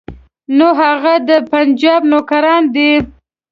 نو هغه خو د پنجاب نوکران دي.